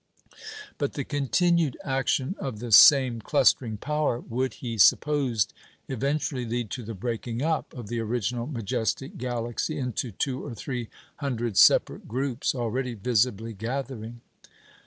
" But the continued action of this same "clustering power" would, he supposed, eventually lead to the breaking up of the original majestic Galaxy into two or three hundred separate groups, already visibly gathering.